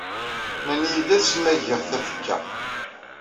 Nnan-iyi-d ad smagiɣ tafekka.